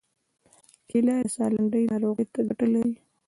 کېله د ساه لنډۍ ناروغۍ ته ګټه لري.